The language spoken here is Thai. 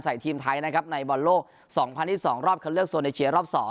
ทีมไทยนะครับในบอลโลก๒๐๒๒รอบคันเลือกโซนเอเชียรอบ๒